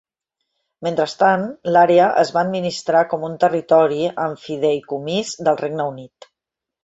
Mentrestant, l'àrea es va administrar com un territori en fideïcomís del Regne Unit.